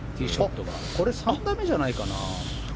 これ、３打目じゃないかな。